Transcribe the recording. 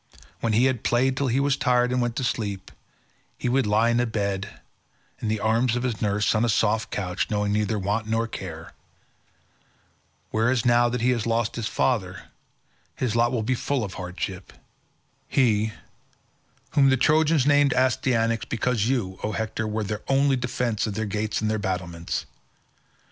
When he had played till he was tired and went to sleep, he would lie in a bed, in the arms of his nurse, on a soft couch, knowing neither want nor care, whereas now that he has lost his father his lot will be full of hardship—he, whom the Trojans name Astyanax, because you, O Hector, were the only defence of their gates and battlements.